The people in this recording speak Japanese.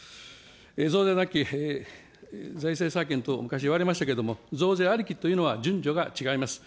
増税なき財政再建等も、昔いわれましたけれども、増税ありきというのは順序が違います。